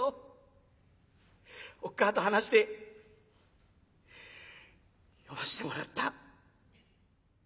おっ母ぁと話して読ませてもらった。